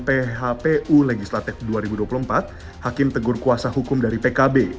phpu legislatif dua ribu dua puluh empat hakim tegur kuasa hukum dari pkb